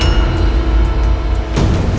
aku akan menang